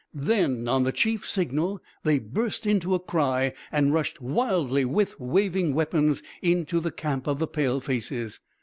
Then on the Chief's signal they burst into a cry and rushed wildly with waving weapons into the camp of the Palefaces.